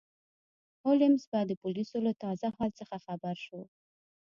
هولمز به د پولیسو له تازه حال څخه خبر شو.